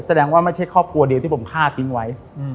ไม่ใช่ว่าไม่ใช่ครอบครัวเดียวที่ผมฆ่าทิ้งไว้